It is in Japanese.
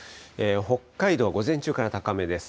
北海道、午前中から高めです。